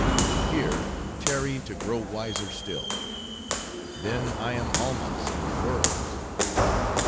Here, tarry to grow wiser still:—then I am Alma's and the world's.